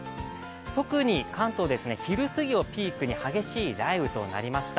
特に関東、昼すぎをピークに激しい雷雨となりました。